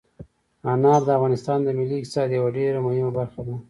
انار د افغانستان د ملي اقتصاد یوه ډېره مهمه برخه ده.